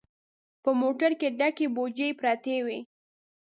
په موټر کې ډکې بوجۍ پرتې وې.